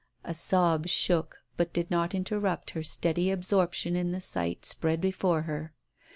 A sob shook, but did not inter rupt her steady absorption in the sight spread before her.